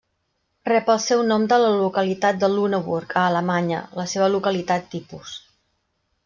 Rep el seu nom de la localitat de Lüneburg, a Alemanya, la seva localitat tipus.